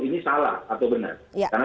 ini salah atau benar karena